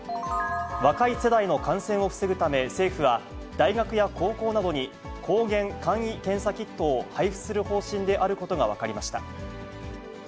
若い世代の感染を防ぐため、政府は、大学や高校などに抗原簡易検査キットを配布する方針であることが分かりました。